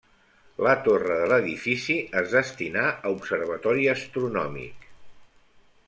La torre de l'edifici es destinà a observatori astronòmic.